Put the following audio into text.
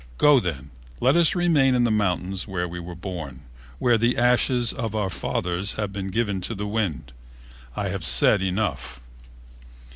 Go, then. Let us remain in the mountains where we were born, where the ashes of our fathers have been given to the wind. I have said enough."